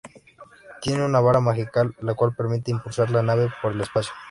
Tiene una vara mágica, la cual permite impulsar la nave por el espacio.